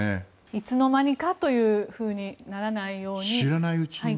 いつの間にかというふうにならないように。